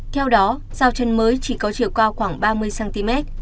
theo đó rào trán mới chỉ có chiều qua khoảng ba mươi cm